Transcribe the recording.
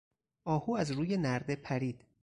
آهو از روی نرده پرید.